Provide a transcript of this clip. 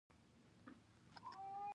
دا زما ګناه نه ده